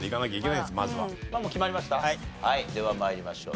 では参りましょう。